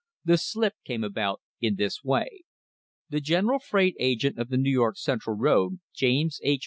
The slip came about in this way. The general freight agent of the New York Central road, James H.